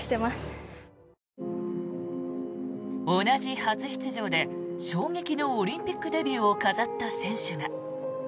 同じ初出場で衝撃のオリンピックデビューを飾った選手が。